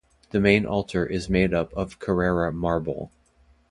The main altar is made up of Carrara marble.